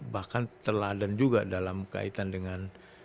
bahkan teladan juga dalam kaitan dengan